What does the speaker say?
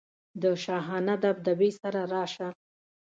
د شاهانه دبدبې سره راشه.